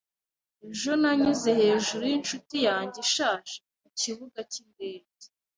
Ejo nanyuze hejuru yinshuti yanjye ishaje kukibuga cyindege.